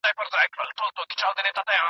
ولي خاوند تر ډيره حده له طلاق څخه ځان ساتي؟